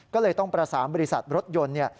ก็เลยต้องประสานบริษัทรถยนต์